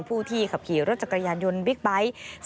ผู้ที่ขับขี่รถจักรยานยนต์บิ๊กไบท์